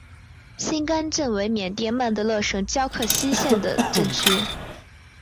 辛甘镇为缅甸曼德勒省皎克西县的镇区。